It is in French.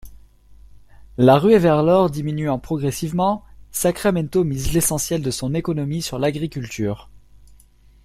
La ruée vers l'or diminuant progressivement, Sacramento mise l'essentiel de son économie sur l'agriculture.